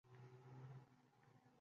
Doimo yonimda nafas olasan.